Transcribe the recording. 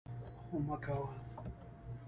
خو مه کوه!